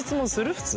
普通。